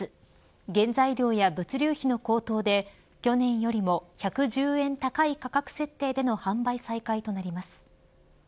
原材料や物流費の高騰で去年よりも１１０円高い価格設定での販売再開となります。